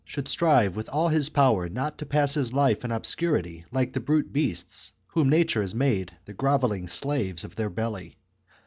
i. should strive with all his power not to pass his life in obscurity like the brute beasts, whom nature has made the grovelling slaves of their belly.